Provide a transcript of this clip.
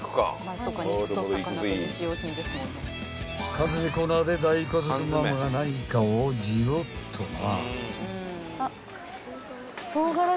［缶詰コーナーで大家族ママが何かをじろっとな］